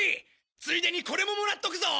ついでにこれももらっとくぞ！